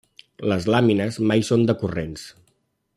Les làmines mai són decurrents.